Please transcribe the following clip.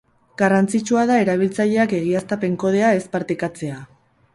Garrantzitsua da erabiltzaileak egiaztapen-kodea ez partekatzea.